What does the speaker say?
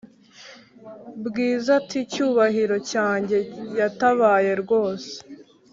bwiza ati"cyubahiro cyanjye yatabaye rwose"